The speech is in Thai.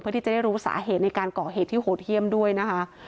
เพื่อที่จะได้รู้สาเหตุในการก่อเหตุที่โหดเยี่ยมด้วยนะคะ